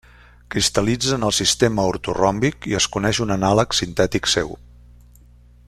Cristal·litza en el sistema ortoròmbic i es coneix un anàleg sintètic seu.